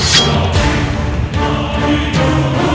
tidak ada apa apa